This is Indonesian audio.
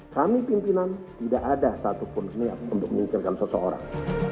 kami pimpinan tidak ada satupun niat untuk mengincarkan seseorang